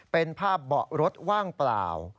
เป็นภาพเบาะรถว่างเปล่า